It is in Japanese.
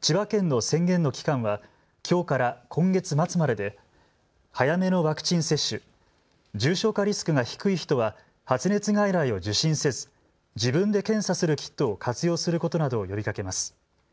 千葉県の宣言の期間はきょうから今月末までで早めのワクチン接種、重症化リスクが低い人は発熱外来を受診せず自分で検査するキットを活用することなどを呼びかけます。